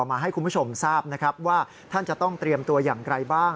มาให้คุณผู้ชมทราบนะครับว่าท่านจะต้องเตรียมตัวอย่างไรบ้าง